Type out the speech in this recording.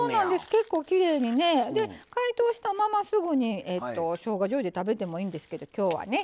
結構きれいにね。で解凍したまますぐにしょうがじょうゆで食べてもいいんですけどきょうはね